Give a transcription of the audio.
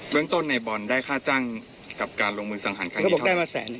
เบื้องต้นในบอลได้ค่าจังกับการลงมือสังหารครั้งนี้เท่าไหร่